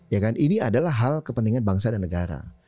ya kan ini adalah hal kepentingan bangsa dan negara